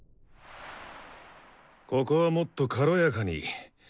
ここはもっと「軽やか」に。